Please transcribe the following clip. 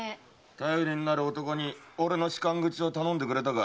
頼りになる男に俺の仕官口を頼んでくれたか？